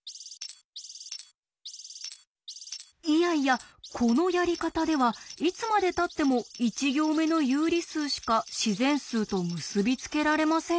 いやいやこのやり方ではいつまでたっても１行目の有理数しか自然数と結び付けられませんよね。